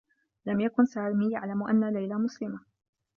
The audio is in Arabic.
لم يكن سامي يعلم أنّ ليلى مسلمة.